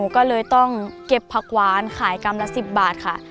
ก็เลยต้องเก็บผักหวานขายกรัมละ๑๐บาทค่ะ